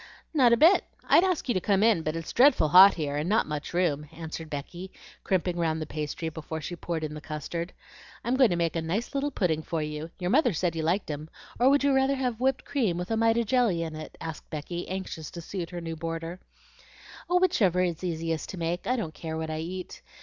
"Not a bit. I'd ask you to come in, but it's dreadful hot here, and not much room," answered Becky, crimping round the pastry before she poured in the custard. "I'm going to make a nice little pudding for you; your mother said you liked 'em; or would you rather have whipped cream with a mite of jelly in it?" asked Becky, anxious to suit her new boarder. "Whichever is easiest to make. I don't care what I eat.